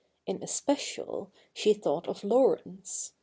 In especial, she thought of Laurence.